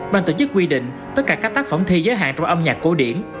bàn tổ chức quy định tất cả các tác phẩm thi giới hạn trong âm nhạc cố điển